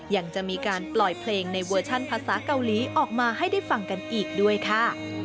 ยังจะมีการปล่อยเพลงในเวอร์ชันภาษาเกาหลีออกมาให้ได้ฟังกันอีกด้วยค่ะ